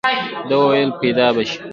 ده وويل پيدا به شي.